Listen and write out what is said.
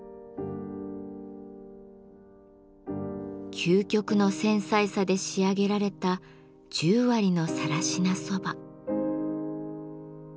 究極の繊細さで仕上げられた十割の更科蕎麦。